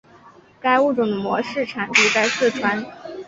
该物种的模式产地在四川。